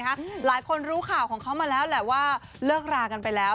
หลายคนรู้ข่าวของเขามาแล้วแหละว่าเลิกรากันไปแล้ว